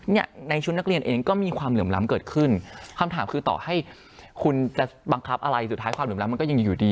ในชุดนักเรียนเองก็มีความเหลื่อมล้ำเกิดขึ้นคำถามคือต่อให้คุณจะบังคับอะไรสุดท้ายความเหลื้มมันก็ยังอยู่อยู่ดี